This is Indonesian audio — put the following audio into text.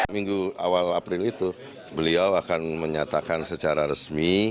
minggu awal april itu beliau akan menyatakan secara resmi